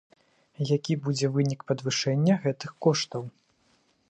Які будзе вынік падвышэння гэтых коштаў?